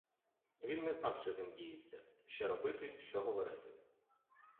Він не знав, що з ним діється, що робити, що говорити.